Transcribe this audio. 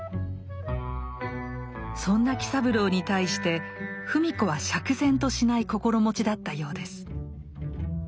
そんな喜三郎に対して芙美子は釈然としない心持ちだったようです。